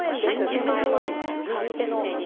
手前の、右手の。